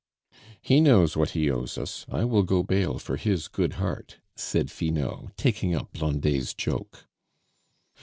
"He knows what he owes us; I will go bail for his good heart," said Finot, taking up Blondet's joke.